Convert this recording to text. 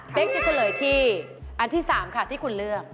เป็นจะเฉลยที่อันที่๓ค่ะที่คุณเลือก